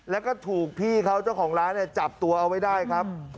แล้วก็ถูกพี่เขาเจ้าของร้านจับตัวเอาไว้ได้ครับ